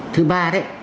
thứ ba đấy